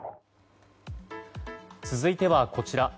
続いては、こちら。